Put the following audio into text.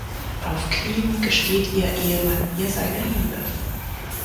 Auf Knien gesteht ihr Ehemann ihr seine Liebe.